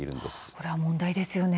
これは問題ですよね。